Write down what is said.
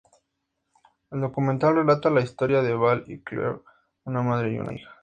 El documental relata la historia de Val y Clare: una madre y una hija.